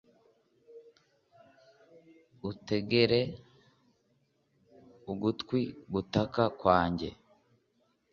utegere ugutwi gutaka kwanjye